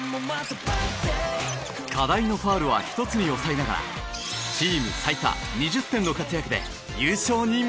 課題のファウルは１つに抑えながらチーム最多２０点の活躍で優勝に導いた。